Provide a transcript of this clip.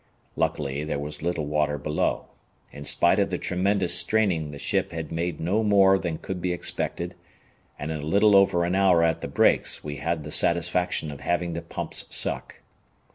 Luckily there was little water below. In spite of the tremendous straining the ship had made no more than could be expected, and in a little over an hour at the brakes we had the satisfaction of having the pumps suck.